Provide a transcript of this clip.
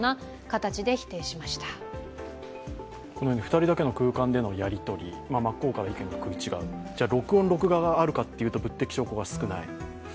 ２人だけの空間でのやり取り真っ向から意見が食い違う、じゃ、録音、録画があるかというと物的証拠が少ない。